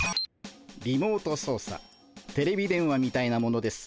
リモート操作テレビ電話みたいなものです。